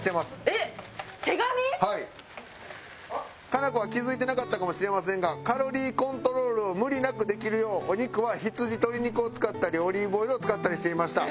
「佳菜子は気づいてなかったかもしれませんがカロリーコントロールを無理なく出来る様お肉は羊・鶏肉を使ったりオリーブオイルを使ったりしていました」